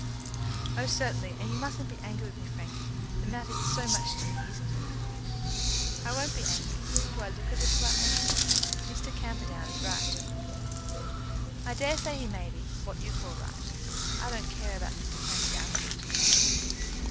"Oh, certainly; and you mustn't be angry with me, Frank. The matter is so much to me; isn't it?" "I won't be angry. Do I look as if I were angry? Mr. Camperdown is right." "I daresay he may be what you call right. But I don't care about Mr. Camperdown a bit."